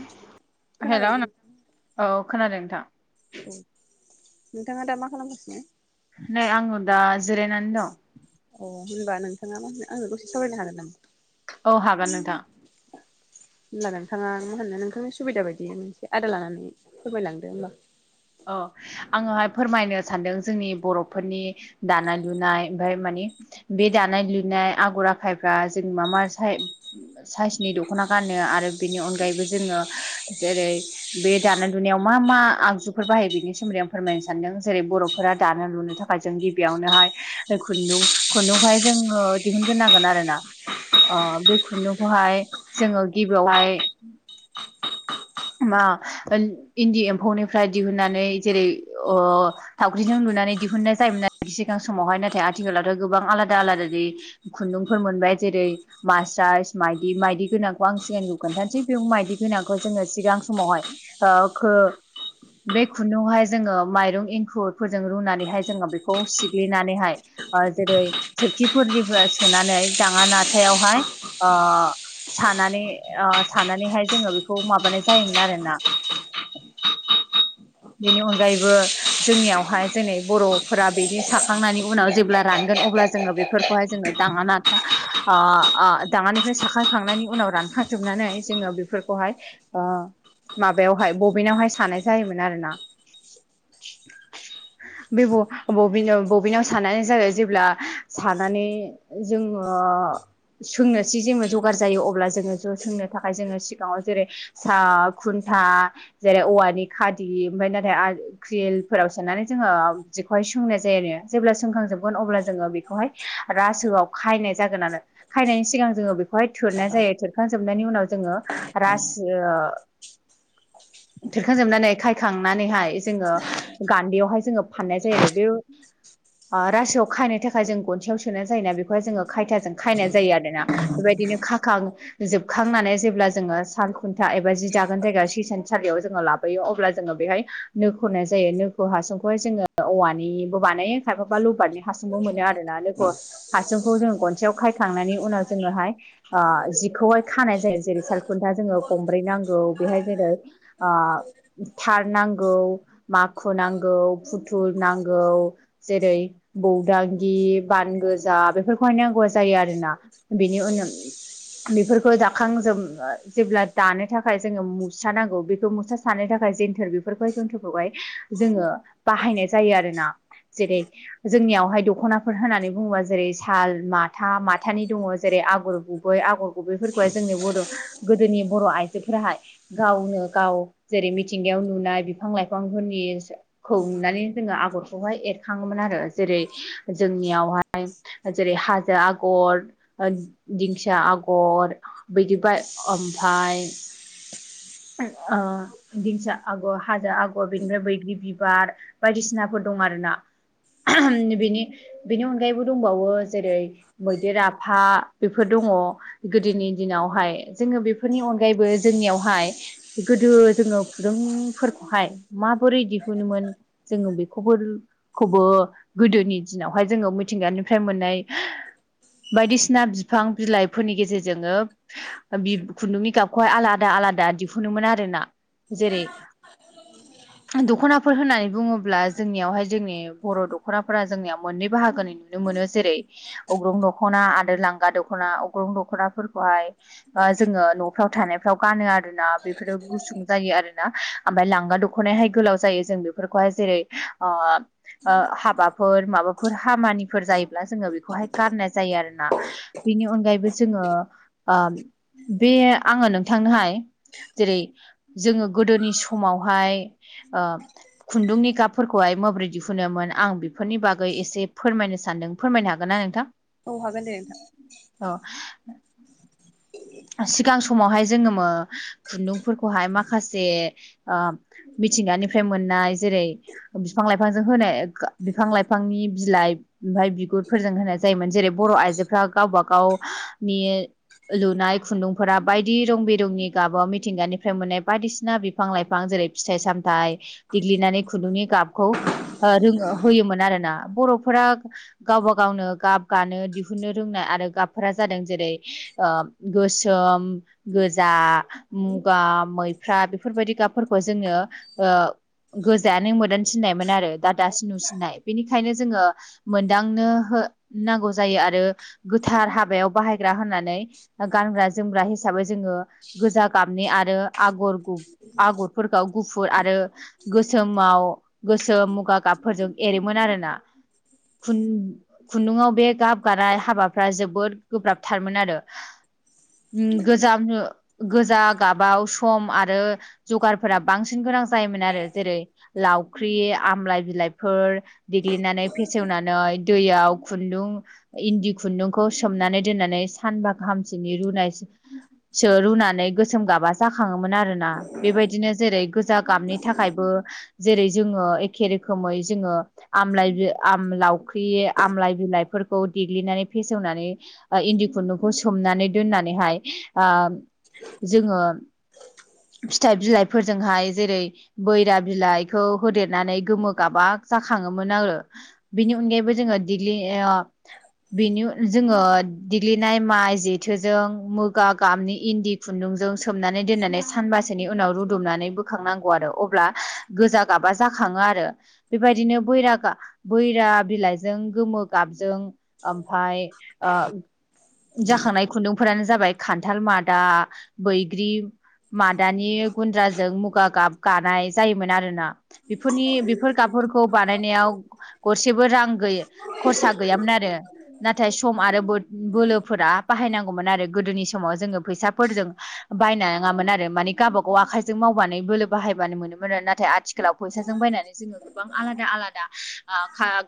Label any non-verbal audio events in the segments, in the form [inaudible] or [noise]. [inaudible] हेल' खोनादोंना नों [unintelligible] औ खोनादों नोंथां औ नोंथाङा दा मा खालामगासिनो नै आङो दा जिरायनानै दं अ होनबा नोंथाङा मा होनो आंदो दसे सावरायनो हागोन नामा औ [unintelligible] हागोन नोंथां होनब्ला नोंथाङा मा होनो नोंथांनि सुबिदा बायदि मोनसे आदा लानानै फोरमायलांदो होनबा औ आङोहाय फोरमायनो सानदों जोंनि बर'फोरनि दानाय लुनााय ओमफाय माने बे दानाय लुनाय आगर आखायफ्रा जों मा मा साइ साइसनि दख'ना गानो आरो बेनि अनगायैबो जोङो जेरै बे दानाय लुनायाव मा मा आगजु फोर बाहायो बेनि सोमोन्दै आं फोरमायनो सानदों जेरै बर'फोरा दानो लुनो थाखाय जों गिबियावनोहाय खुन्दुं खुन्दुंखौहाय जोङो दिहुनग्रो नांगोन आरोना अ बे खुन्दुंखौहाय जोङो गिबियावहाय मा इन्दि एम्फौनिफ्राय दिहुननानै जेरै ओ थावख्रिजों लुनानै दिहुननाय जायोमोन आरो सिगां समावहाय नाथाय आथिखालावथ' गोबां आलादा आलादानि खुन्दुंफोर मोनबाय जेरै मास्टार्स माइदि माइदि गोनांखौ आं सिगांनिखौ खोन्थानोसै बे मायदि गोनांखौ जोङो सिगां समावहाय [unintelligible] बे खुन्दुंहाय जोङो माइरं एंखुरफोरजों रुनानैहाय जोङो बेखौ सिग्लिनानैहाय ओ जेरै सोरखिफोरनिफ्राय सोनानै दाङा नाथायावहाय आ सानानै सानानैहाय जोङो बेखौ माबानाय जायोमोन आरोना [inaudible] बेनि अनगायैबो जोंनियावहाय जों बर'फोरा बिनि साखांनायनि उनाव जेब्ला रानगोन अब्ला जोङो बेफोरन खौहाय जोङो दाङा ना ओ ओ दाङानिफ्राय साखायखांनायनि उनाव रानखाजोबनानै जोङो बेफोर खौहाय माबायावहाय बबिनावहाय सानाय जायोमोन आरोना। [inaudible] बे ब बबिनाव बबिनाव सानानै जाबाय जेब्ला सानानै जोङो सोंनोसै जेङो जगार जायो अब्ला जोङो ज' सोंनो थाखाय जोङो सिगाङाव जेरै सा खुन्था जेरै औवानि खादि ओमफ्राय नाथाय ख्रिलफोराव सोनानै जोङो जिखौहाय सोंनाय जायो आरो जेब्ला सोंखांजोबगोन अब्ला जोङो बेखौहाय रासोआव खायनाय जागोनानो। खायनायनि सिगां जोङो बेखौहाय थोरनाय जायो थोरखांजोबनायनि उनाव जोङो रास थोरखां जोबनानै खायखांनानैहाय जोङो गान्दैयावहाय जोङो फाननाय जायो आरो बे रासोआव खायनो थाखाय जों गन्सायाव सोना जायो ना बेखौहाय जोङो खायथाजों खायनाय जायो आरोना। बेबायदिनो खाखां जोबखांनानै जेब्ला जोङो साल खुन्था एबा जि जागोन जायगा सि सानसालियाव जोङो लाबोयो अब्ला जोङो बेहाय नो खनाय जायो नो नो हासुंखौहाय जोङो औवानिबो बानायो खायफाबा लबारनि हासुंबो मोनो आरोना लबर हासुंखौ जों गनसायाव खायखांनानै उनाव जोङोहाय ओ जिखौहाय खानाय जायो जेरै साल खुन्था जोङो गंब्रै नांगौ बेहाय जेरै ओ थार नांगौ माखु नांगौ फुथल नांगौ। जेरै बौदांगि बान गोजा बेफोरखौहाय नांगौआ जायो आरोना। बेनि उनाव बेफोरखौ दाखांजोब जेब्ला दानो थाखाय जोङो मुसा नांगौ बेखौ मुसा सारानो थाखाय जन्थोर बेफोरखौहाय जन्थुरखौहाय जोङो बाहायनाय जायो आरोना जेरै जोंनियावहाय दखनाफोर होननानै बुङोबा जेरै साल माथा माथानि दङ जेरै आगर गुबै आगर गुबैफोरखौहाय जोंनि बर' गोदोनि बर' आइजोफोराहाय गावनो गाव जेरै मिथिंगायाव नुनाय बिफां लाइफांफोरनि खौ नुनानै जोङो आगरखौहाय एरखाङोमोन आरो जेरै जोंनियावहाय जेरै हाजो आगर दिंखिया आगर बिदि बाय ओमफ्राय उम ओ दिखिया आगर हाजो आगर बेनिफ्राय बैग्रि बिबार बायदिसिनाफोर दं आरोना। बिनि बेनि अनगायैबो दंबावो जेरै मैदेर आफा बेफोर दङ। गोदोनि दिनावहाय जोङो बेफोरनि अनगायैबो जोंनियावहाय गोदो जोङो फुदुंफोरखौहाय माबोरै दिहुनोमोन। जोङो बेखौबो खौबो गोदोनि दिनावहाय जोङो मिथिंगानिफ्राय मोननाय बायदिसिना बिफां बिलाइफोरनि गेजेरजोंनो खुन्दुं गाबखौहाय आलादा आलादा दिहुनोमोन आरोना जेरै [inaudible] दखनाफोर होननानै बुङोब्ला जोंनियावहाय जोंनि बर' दखनाफोरा जोंनियाव मोननै बाहागोनि नुनो मोनो जेरै अग्रं दखना आरो लांगा दखना अग्रं दखनाफोरखौहाय ओ जोङो न'फ्राव थानायफ्राव गानो आरोना बेफोरो गुसुं जायो आरोना। ओमफ्राय लांगा दखनायहाय गोलाव जायो जों बेफोरखौहाय जेरै ओ ओ हाबाफोर माबाफोर खामानिफोर जायोब्ला जोङो बेखौहाय गाननाय जायो आरोना। बेनि अनगायैबो जोङो ओ बे आङो नोंथांनोहाय जेरै जोङो गोदोनि समावहाय ओ खुन्दुंनि गाबफोरखौहाय माबोरै दिहुनोमोन आं बेफोरनि बागै एसे फोरमायनो सानदों फोरमायनो हागोन ना नोंथां औ हागोन दे नोंथां औ सिगां समावहाय जोङो मो खुन्दुंफोरखौहाय माखासे ओ मिथिंगानिफ्राय मोननाय जेरै बिफां लाइफांजों होनाय बिफां लाइफांनि बिलाइ ओमफ्राय बिगुरफोरजों होनाय जायोमोन जेरै बर' आइजोफ्रा गावबा गावनि लुनाय खुन्दुंफोरा बायदि रं बिरंनि गाबाव मिथिंगानिफ्राय मोननाय बायदिसिना बिफां लाइफां जेरै फिथाइ सामथाइ देग्लिनानै खुन्दुंनि गाबखौ रोङो होयोमोन आरो ना बर'फोरा गावबा गावनो गाब गानो दिहुनो रोंनाय आरो गाबफोरा जादों जेरै ओ गोसोम गोजा मुगा मैफ्रा बेफोरबायदि गाबफोरखौ जोङो ओ गोजायानो मोदान थिननायमोन आरो दा दासिम नुसिननाय बेनिखायनो जोङो मोनदांनो नांगौ जायो आरो गोथार हाबायाव बाहायग्रा होननानै गानग्रा जोमग्रा हिसाबै जोङो गोजा गाबनि आरो आगर गु आगरफोरखौ गुफुर आरो गोसोमाव गोसो मुगा गाबफोरजों एरोमोन आरो ना खु खुन्दुङाव बे गाब गानाय हाबाफ्रा जोबोद गोब्राबथारमोन आरो गोजाम गोजा गाबाव सम आरो जगारफोरा बांसिन गोनां जायोमोन आरो जेरै लावख्रि आमलााय बिलाइफोर देग्लिनानै फेसेवनानै दैयाव खुन्दुं इन्दि खुन्दुंखौ सोमनानै दोननानै सानबा गाहाम [unintelligible] रुनानै गोसोम गाबा जाखाङोमोन आरोना बेबायदिनो जेरै गोजा गाबनि थाखायबो जेरै जोङो एखे रोखोमै जोङो आमलाय लावख्रि आमलाय बिलाइफोरखौ देग्लिनानै फेसेवनानै इन्दि खुन्दुंखौ सोमनानै दोननानैहाय आ जोङो फिथाइ बिलाइफोरजोंहाय जेरै बैरा बिलाइखौ होदेरनानै गोमो गाबा जाखाङोमोन आङो बेनि अनगायैबो जोङो देग्लि बिनि जोङो देग्लिनाय माइ जेथोजों मुगा गामनि इन्दि खुन्दुंजों सोमनानै दोननानै सानबासोनि उनाव रुदबनानै बो खांनांगौ आरो अब्ला गोजा गाबा जाखाङो आरो बेबायदिनो बैरा गा बैरा बिलाइजों गोमो गाबजों ओमफाय ओ जाखांनाय खुन्दुंफोरानो जाबाय खान्थाल मादा बैग्रि मादानि गुन्द्राजों मुगा गाब गानाय जायोमोन आरोना बेफोरनि बेफोर गाबफोरखौ बानायनायाव गरसेबो रां खरसा गैयामोन आरो नाथाय सम आरो बो बोलो फोर बाहायनांगौमोन आरो गोदोनि समाव जोङो फैसाफोरजों बायनाङामोन आरो माने गावबा गाव आखाइजों मावबानो बोलो बाहायबानो मोनोमोन आरो नाथाय आथि खालाव फैसाजों बायनानै जोङो गोबां आलादा आलादा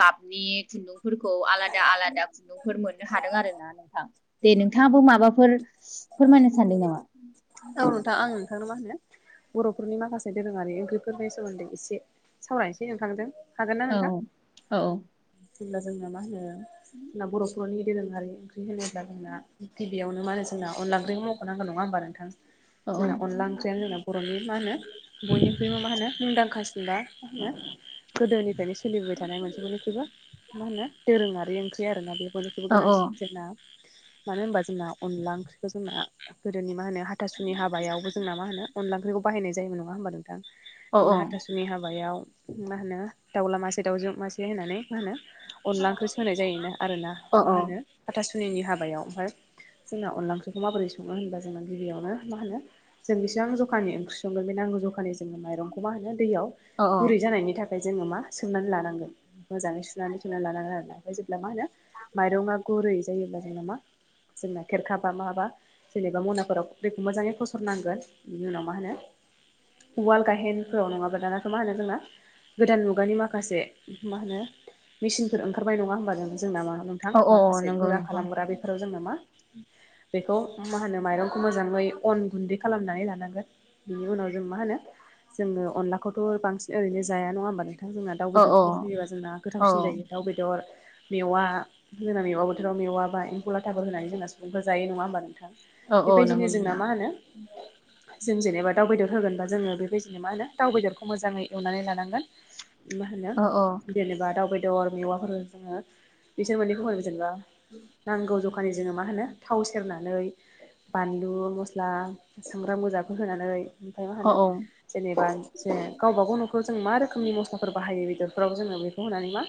गाबनि खुन्दुंफोरखौ आलादा आलादा खुन्दुंफोर मोननो हादों आरो ना नों थां दे नोंथाङाबो माबाफोर फोरमायनो सानदों नामा औ नोंथां आं नोंथांनो मा होनो बर'फोरनि माखासे दोरोङारि ओंख्रिफोरनि सोमोन्दै एसे सावरायनोसै नोंथां जों हागोन ना औ नोंथां औ जेब्ला जोंना मा होनो जोंना बर' बर'नि दोरोङारि ओंख्रि होनोब्ला जोंना गिबियावनो मा होनो जोंना अनला ओंख्रिखौ मावख'नांगोन नङा होमबा नोंथां। औ जोंना अनला ओंख्रियानो जोंना बर'नि मा होनो बयनिख्रुबो मा होनो मुंदांखासिन बा मा होनो गोदोनिफ्रायनो सोलिबोबाय थानाय मोनसे बनिख्रुइबो मा होनो दोरोङारि ओंख्रि आरोना बे बयनिख्रुयबो औ गोनांसिन जोंना मानो होनबा जोंना अनला ओंख्रिखौ जोंना गोदोनि मा होनो हाथासुनि हाबायावबो जोंना मा होनो अनला ओंख्रिखौ बाहायनाय जायोमोन नङा होमबा नोंथां औ जोंना हाथासु जोंनि हाबायाव मा होनो दाउला मासे दाउजु मासे होननानै मा होनो अनला ओंख्रि सो होनाय जायोना आरोना औ मा होनो हाथासुनिनि हाबायाव ओमफाय जोंना अनला ओंख्रिखौ माबोरै सङो होनबा जोंना गिबियाव मा होनो जों बेसेबां जखानि ओंख्रि संगोन बे नांगौ जखानि जोङो माइरंखौ मा होनो दैयाव औ गुरै जानायनि थाखाय जोङो मा सोमनानै लानांगोन मोजाङै सुनानै सोमनानै लानांगोन आरोना ओमफ्राय जेब्ला मा होनो माइरङा गुरै जायोब्ला जोंङो मा जोंना खेरखाबा माबा जेनेबा मनाफोराव दैखौ मोजाङै फसरनांगोन बिनि उनाव मा होनो उवाल गाहेनफोराव नङाबा दानाथ' मा होनो जोंना गोदान मुगानि माखासे मा होनो मेसिनफोर ओंखारनाय नङा होमबा जों जोंना मा होनो थां औ औ माखासे नंगौ गुरा नोंथां खालामग्रा बेफोराव जोङो मा बेखौ मा होनो माइरं खौ मोजाङै अन गुन्दै खालामनानै लानांगोन बिनि उनाव जों मा होनो जोङो अनलाखौथ' बांसिन ओरैनो जाया नङा होमबा नोंथां जोंना दाउ औ औ बेदरफोर होयोबा जोंना औ गोथावसिन जायो दाउ बेदर मेवा होनानै मेवा बोथोराव मेवाबा एम्फौ लाथाबो होनानै जोंना सुबुंफोरा जायो नङा होमबा नोंथां। औ औ नंगौ बेबायदिनो जोंना नोंथां मा होनो जों जेनेबा दाउ बेदर होगोनबा जोङो बेबायदिनो मा होनो दाउ बेदरखौ मोजाङै एवनानै लानांगोन। मा होनो औ जेनेबा दाउ बेदर मेवाफोर जोङो बिसोर मोनैखौ होनोबा जेनेबा उम। नांगौ जखानि जोङो मा होनो थाव सेरनानै बानलु मस्ला संग्रा मोजाफोर होनानै ओमफाय मा औ होनो जेनेबा जे गावबागाव न'खराव जों मा रोखोमनि मस्लाफोर बाहायो बेदरफोराव जोङो बेखौ होनानै मा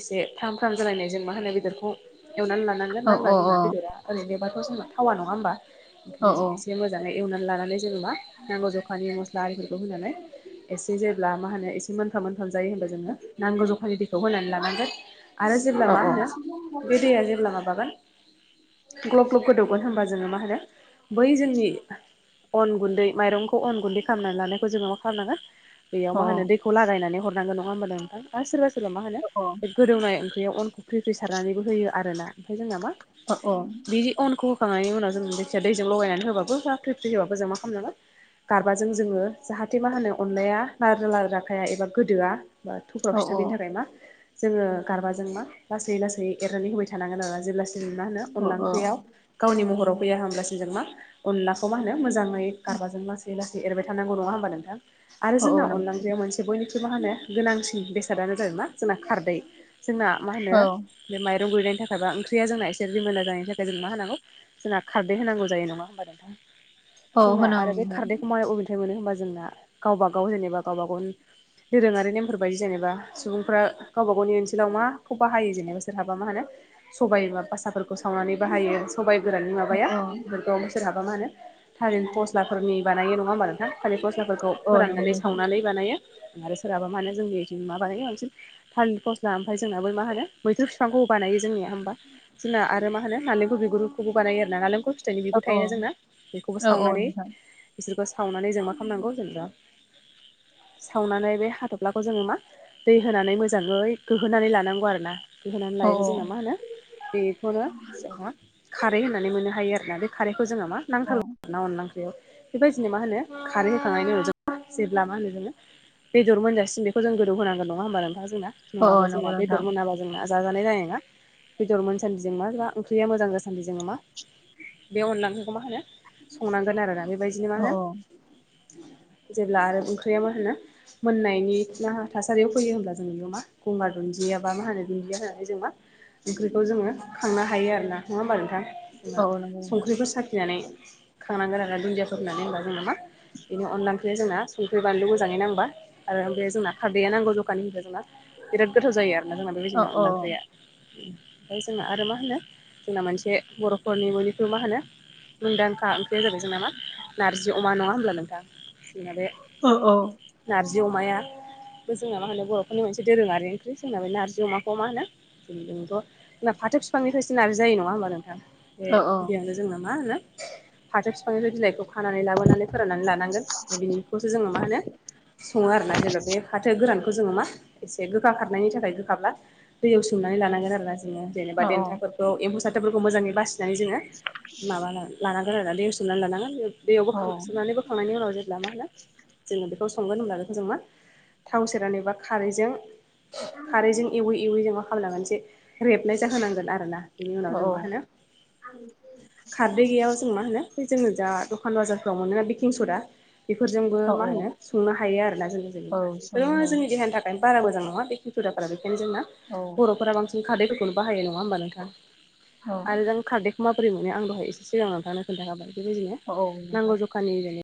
एसे फ्राम फ्राम जालायनाय जों मा होनो बेदरखौ एवनानै लानानै लानांगोन औ मानो औ होनबा जोंना बेदरा ओरैनोबाथ' जोंना थावा नङा होमबा। [unintelligible] औ औ एसे मोजाङै एवनानै लानानै जेनेबा नांगौ जखानि मस्ला आरिफोरखौ होनानै एसे जेब्ला मा होनो एसे मोनफ्राम मोनफ्राम जायो होनबा जोङो नांगौ जखानि दैखौ होनानै लानांगोन। आरो जेब्ला अ मा होनो बे दैया जेब्ला माबागोन ग्लब ग्लब गोदौगोन होनबा जोङो मा होनो बै जोंनि अन गुन्दै माइरंखौ अन गुन्दै खालामनानै लानायखौ जोङो मा खालामनाङो बेयाव मा औ होनो दैखौ लागायनानै हरनांगोन नङा होमबा नोंथां। आरो सोरबा सोरबा मा होनो बे गोदौनाय ओंख्रियाव अनखौ फ्रि-फ्रि सारनानैबो होयो आर ना ओमफ्राय जोंना मा अ औ। बे अनखौ होखांनायनि उनाव जों जाखिजाया दैजों लगायनानै होबाबो बा फ्रि-फ्रि होबाबो जों मा खालामनांगोन गारबाजों जोङो जाहाथे मा होनो अनला लाद्रा लाद्रा खाया एबा गोदोआ। बा [unintelligible] फिथा देनो थाखाय मा जोङो गारबाजों मा लासै लासै एरनानै होबाय थानांगोन आरोना जेब्लासिम मा होनो अनला ओंख्रियाव गावनि महराव फैया होम ब्लासिम जों मा अनलाखौ मा होनो मोजाङै गारबाजों लासै -लासै एरबाय थानांगौ नङा होमबा नोंथां। आरो औ जोंना नंगौ अनला ओंख्रियाव मोनसे बयनिख्रुइ मा होनो गोनांसिन बेसादानो जादों मा जोंना खारदै। जोंना मा होनो बे माइरं रूयनायनि थाखाय बा ओंख्रिया जोंना एसे रिमोनला जानायनि थाखाय जों मा होनांगौ जोंना खारदै होनांगौ जायो नङा होमबा नोंथां औ जोंना आरो होनांगौ बे नोंथां खारदैखौ मायाव अबे निफाय मोनो होमबा जोंना गावबा गाव जेनेबा गावबा गावनि दोरोङारि नेमफोर बायदि जेनेबा सुबुंफ्रा गावबा गावनि ओनसोलाव माखौ बाहायो जेनेबा सोरहाबा मा होनो सबाइ एबा बास साफोरखौ सावनानै बाहायो सबाय गोरानानि माबा अ बेफोरखौ सोरहाबा मा होनो थालिर फस्लाफोरनि बानायो नङा होमबा नोंथां थालिर फस्लाफोरखौ औ नंगौ फोराननानै नोंथां सावनानै बानायो आरो सोरहाबा माहोनो जोंनि बादिनो मा बानायो बांसिन थालिर फस्ला ओमफ्राय जोंना बै मा होनो मैथ्रु बिफांखौ बानायो जों जोंनिया होमबा जोंना आरो मा होनो नालेंखर बिगुरखौबो बानायो आरो ना नालेंखल फिथाइनि औ बिगुर औ थायोना जोंना बेखौबो औ औ सावनानै नोंथां बिसोरखौ सावनानै जों मा खालामनांगौ जेनेबा सावनानै बे हाथ'फ्लाखौ जोङो मा दै होनानै मोजाङै गोहोनानै लानांगौ आरो ना बिदिहोनानै औ लायोबा जोंना मा होनो बेखौनो जोंहा खारै होन मोननो हायो आरोना बे खारैखौ जोङो मा नांथार न अनला ओंख्रियाव बेबायदिनो मा होनो खारै होखांनायनि उनाव जों जेब्ला मा होनो जोङो बेदर मोनजासिन बेखौ जों गोदौ होनांगोन नङा होमबा नोंथां जोंना औ नङाब्ला नंगौ जोंना नोंथां बेदर मोनाबा जोंना जाजानाय जानाय नोङा बेदर मोनसान्दिजों मा ओंख्रिया मोजां जासान्दिजों मा बे अनला ओंख्रिखौ मा होनो संनांगोन आरोना बेबायदिनो मा औ होनो औ जेब्ला आरो ओंख्रिया मा होनो मोननायनि बे ना थासारियाव फैयो होनब्ला जोङो न' मा गंगार दुन्दिया बा माह होनो दुन्दिया होननानै जों मा ओंख्रिखौ जोङो खांनो हायो आरो ना नङा होमबा नोंथां जेनेबा औ नंगौ नोंथां संख्रिफोर साफिनानै खांनांगोन आरो ना दुन्दियाफोर होननानै होनबा जेनेबा बिनि अनला ओं ख्रिया जोंना संख्रि बानलु मोजाङै नांबा आरो बे जोंना खारदैया नांगौ जखानि होयोब्ला जोंना बिराद गोथाव जायो आरो ना जोंना औ बेबायदिनो अनला ओंख्रिया ओमफ्राय जोंना आरो मा होनो जोंना मोनसे बर'फोरनि बयनिख्रु मा होनो मुंदांखा ओंख्रिया जाबाय जोंना मा नारजि अमा नङा होमब्ला नोंथां जोंना बे औ औ नारजि अमाया बो जोंना मा होनो बर'फोरनि मोनसे दोरोङारि ओख्रि जोंना बे नारजि अमाखौ मा होनो [unintelligible] जोंना फाथो फिफांनिफ्रायसो नारजि जायो नङा होमबा नोंथां बे औ बियावनो जोंनो मा होनो फाथो फिफांनिफ्राय बिलाइखौ खानानै लाबोनानै फोराननानै लानांगोन बिनिखौसो जोङो मा होनो सङो आरोना जेनेबा बे फाथो गोरानखौ जोङो मा एसे गोखा खारनायनि थाखाय गोखाब्ला दैयाव सोमनानै लानांगोन आरो ना जोङो औ जेनेबा देन्थाफोरखौ एम्फौ सथोबफोरखौ मोजाङै बासिनानै जोङो माबा ला लानांगोन आरो सुनानै लानांगोन औ बेयावबो सुनानै बो खांनायनि उनाव जेब्ला मा होनो जोङो बेखौ संगोन होनब्ला जों मा थाव सेरनानै एबा खारैजों खारैजों एवै एवै जोंङो मा खामनांगोन जे रेबनाय जाहोनांगोन आरो ना औ खारदै गैया बा जों मा होनो बै जोंङो जा दखान बाजारफ्राव मोनोना बेकिं सदा बेफोरजोंबो औ मा होनो संनो हायो आरोना जोङो औ जेनेबा संनो बेफोरो हायो जोंनि देहानि था खाय बारा मोजां नङा बेकिं सदाफोरा बेखायनो जोंना औ बर'फोरा बांसिन खारदैफोरखौनो बाहायो नङा होमबा नोंथां औ आरो जों खारदैखौ माबोरै मोनो आं दहाय एसे सिगां नोंथांनो खोन्थाखाबाय बेबायदिनो औ औ नोंथां नांगौ जखानि